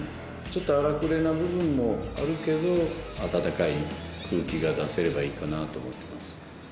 ちょっと荒くれな部分もあるけど温かい空気が出せればいいかなと思ってます。